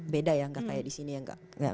beda ya gak kayak di sini ya